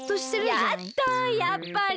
やっだやっぱり？